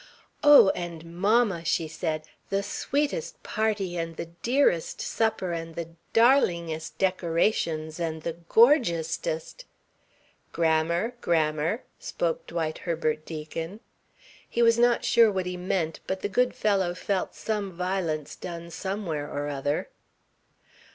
"Oh, and mamma," she said, "the sweetest party and the dearest supper and the darlingest decorations and the gorgeousest " "Grammar, grammar," spoke Dwight Herbert Deacon. He was not sure what he meant, but the good fellow felt some violence done somewhere or other.